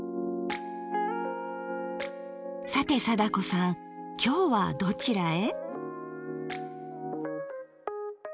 さて貞子さんきょうはどちらへ？